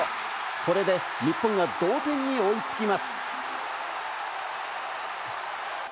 これで日本が同点に追いつきます。